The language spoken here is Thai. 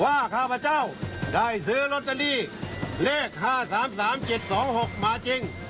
ข้าพเจ้าได้ซื้อลอตเตอรี่เลข๕๓๓๗๒๖มาจริง